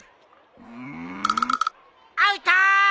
うんアウト！